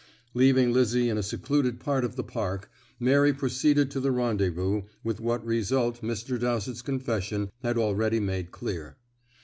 Leaving Lizzie in a secluded part of the park, Mary proceeded to the rendezvous, with what result Mr. Dowsett's confession has already made clear.